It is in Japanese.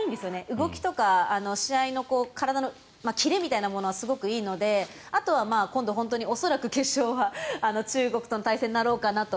動きとか試合の体のキレみたいなものはすごくいいのであとは今度、本当に恐らく決勝は中国との対戦になろうかなと。